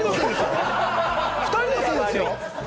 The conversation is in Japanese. ２人のせいですよ！